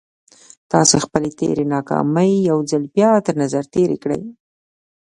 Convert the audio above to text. تاسې خپلې تېرې ناکامۍ يو ځل بيا تر نظر تېرې کړئ.